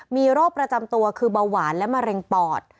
มีโรคประจำตัวคือเบาหวานและมะเร็งปอด